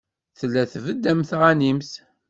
Tella tbedd am tɣanimt.